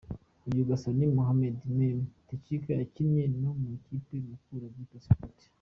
Uyu Gasana Mohamed "Mémé" Tchite yakinnye no mu ikipe ya Mukura Victory Sport.